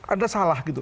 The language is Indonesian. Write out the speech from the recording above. anda salah gitu